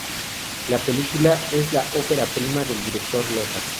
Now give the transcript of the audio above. La película es la ópera prima del director Loza.